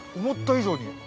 思った以上に。